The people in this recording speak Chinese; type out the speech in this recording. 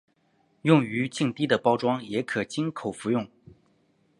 用于静滴的包装也可经口服用。